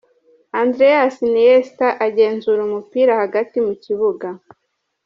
Andreas Iniesta agenzura umupira hagati mu kibuga.